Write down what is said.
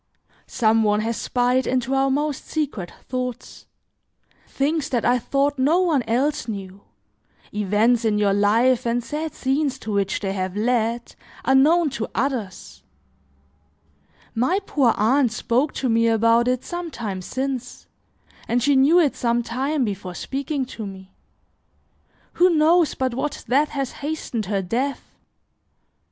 Some one has spied into our most secret thoughts; things that I thought no one else knew, events in your life and sad scenes to which they have led, are known to others; my poor aunt spoke to me about it some time since, and she knew it some time before speaking to me. Who knows but what that has hastened her death?